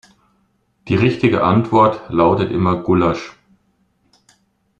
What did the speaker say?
Die richtige Antwort lautet immer Gulasch.